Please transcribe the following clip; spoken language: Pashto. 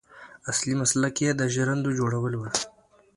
اصلي مسلک یې د ژرندو جوړول و.